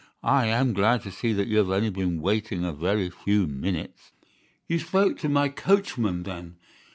"I am glad to see that you have only been waiting a very few minutes." "You spoke to my coachman, then?"